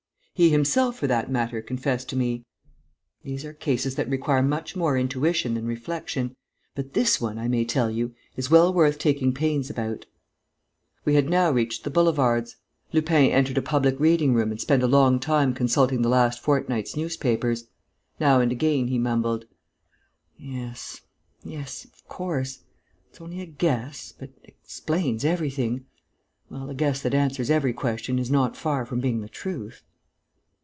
He himself, for that matter, confessed to me: "These are cases that require much more intuition than reflection. But this one, I may tell you, is well worth taking pains about." We had now reached the boulevards. Lupin entered a public reading room and spent a long time consulting the last fortnight's newspapers. Now and again, he mumbled: "Yes ... yes ... of course ... it's only a guess, but it explains everything.... Well, a guess that answers every question is not far from being the truth...."